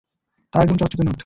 তাও একদম চকচকে নোট!